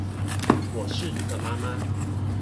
我是一個媽媽